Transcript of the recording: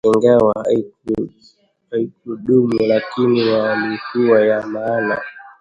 Ingawa haikudumu lakini yalikuwa ya maana